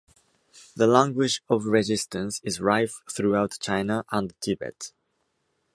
The language of resistance is rife throughout China and Tibet.